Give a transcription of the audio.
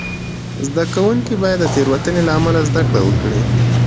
زده کوونکي باید د تېروتنې له امله زده کړه وکړي.